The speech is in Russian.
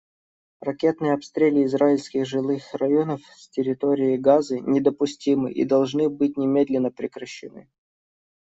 Ракетные обстрелы израильских жилых районов с территории Газы недопустимы и должны быть немедленно прекращены.